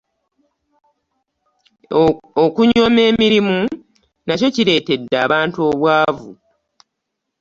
okunyooma emirimu nakyo kireetedde abantu obwavu